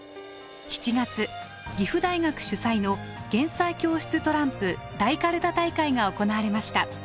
７月岐阜大学主催の「減災教室トランプ・大カルタ大会」が行われました。